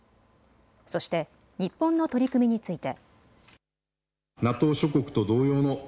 そして日本の取り組みについて。